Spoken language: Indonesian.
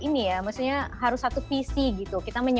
maksudnya harus satu visi gitu